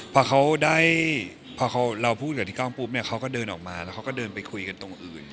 พอเราพูดกับที่กองปุ๊บเขาก็เดินออกมาแล้วเขาก็เดินไปคุยกันตรงอื่น